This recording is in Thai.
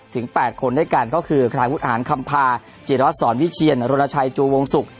ถึงแปดคนด้วยกันก็คือคลายพุทธหารคำภาจีรวรรษศรวิเชียรโรนชัยจูวงศุกร์